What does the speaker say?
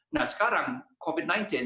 nah sekarang covid sembilan belas